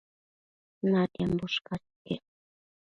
natiambo ushcas iquec